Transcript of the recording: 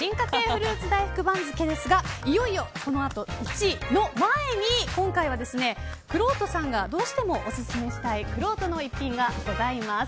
フルーツ大福番付ですがいよいよこのあと１位の前に今回はくろうとさんがどうしてもおすすめしたいくろうとの逸品がございます。